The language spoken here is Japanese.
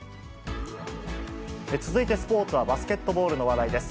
続いてスポーツは、バスケットボールの話題です。